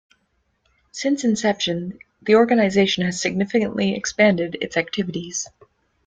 Since inception, the organization has significantly expanded its activities.